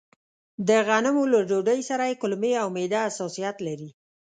د غنمو له ډوډۍ سره يې کولمې او معده حساسيت لري.